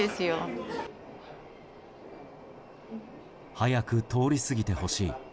早く通り過ぎてほしい。